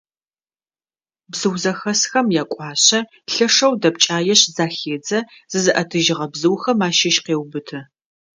Бзыу зэхэсхэм якӏуашъэ, лъэшэу дэпкӏаешъ, захедзэ, зызыӏэтыжьыгъэ бзыухэм ащыщ къеубыты.